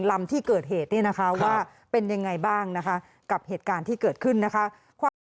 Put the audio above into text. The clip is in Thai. ลำที่เกิดเหตุเนี่ยนะคะว่าเป็นยังไงบ้างนะคะกับเหตุการณ์ที่เกิดขึ้นนะคะความ